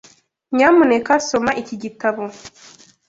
Nyamuneka soma iki gitabo.